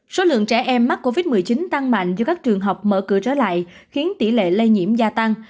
số lượng trẻ em mắc covid một mươi chín tăng mạnh do các trường học mở cửa trở lại khiến tỷ lệ lây nhiễm gia tăng